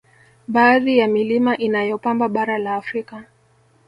Baadhi ya Milima inayopamba bara la Afrika